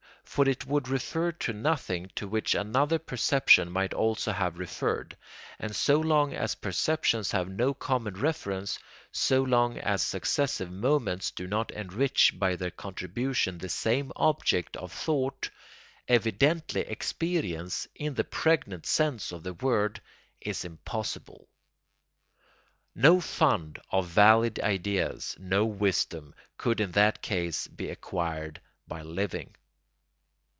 For it would refer to nothing to which another perception might also have referred; and so long as perceptions have no common reference, so long as successive moments do not enrich by their contributions the same object of thought, evidently experience, in the pregnant sense of the word, is impossible. No fund of valid ideas, no wisdom, could in that case be acquired by living.